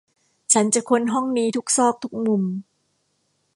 ฉันจะค้นห้องนี้ทุกซอกทุกมุม